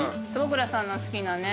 坪倉さんの好きなね。